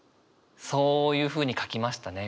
そういうふうに書きましたね。